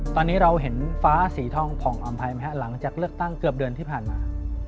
ตอนนี้เราเห็นฟ้าสีทองผ่องอำภัยไหมฮะหลังจากเลือกตั้งเกือบเดือนที่ผ่านมา